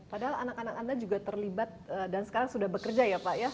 padahal anak anak anda juga terlibat dan sekarang sudah bekerja ya pak ya